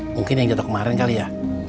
mungkin yang jatuh kemarin kali ya